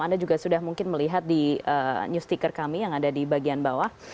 anda juga sudah mungkin melihat di new stiker kami yang ada di bagian bawah